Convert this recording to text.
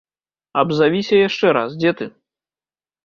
Абзавіся яшчэ раз, дзе ты?